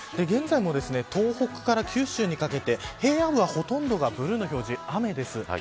現在も東北から九州にかけて平野部はほとんどがブルーの表示で雨です。